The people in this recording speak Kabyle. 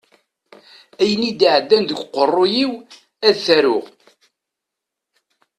Ayen i d-iɛeddan deg uqerruy-iw ad t-aruɣ.